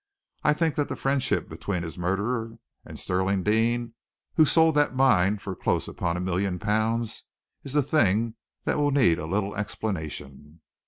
I think that the friendship between his murderer and Stirling Deane, who sold that mine for close upon a million pounds, is a thing that will need a little explanation."